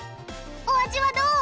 お味はどう？